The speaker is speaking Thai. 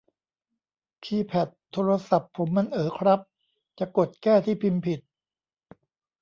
คีย์แพดโทรศัพท์ผมมันเอ๋อครับ จะกดแก้ที่พิมพ์ผิด